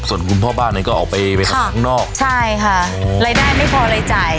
ส่วนคุณพ่อบ้านเนี่ยก็ออกไปไปทำงานข้างนอกใช่ค่ะรายได้ไม่พอรายจ่าย